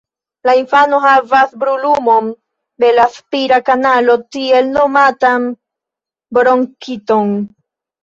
La infano havas brulumon de la spira kanalo, tiel nomatan bronkiton.